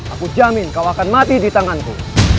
aku jamin kau akan mati di tanganku